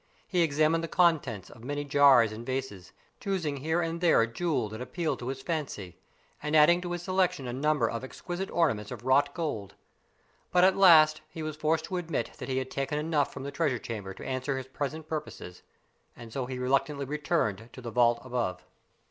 He examined the contents of many jars and vases, choosing here and there a jewel that appealed to his fancy, and adding to his selection a number of exquisite ornaments of wrought gold; but at last he was forced to admit that he had taken enough from the treasure chamber to answer his present purposes, and so he reluctantly returned to the vault above.